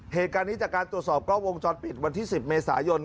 เหตุการณ์นี้จากการตรวจสอบกล้องวงจรปิดวันที่๑๐เมษายน